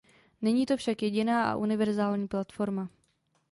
Není to však jediná a univerzální platforma.